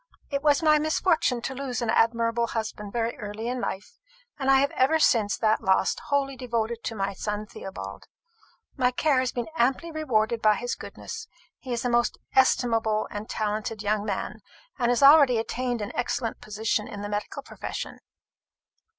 "It was my misfortune to lose an admirable husband very early in life; and I have been ever since that loss wholly devoted to my son Theobald. My care has been amply rewarded by his goodness. He is a most estimable and talented young man, and has already attained an excellent position in the medical profession."